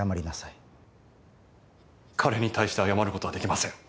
彼に対して謝る事はできません。